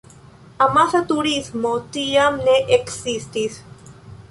Amasa turismo tiam ne ekzistis.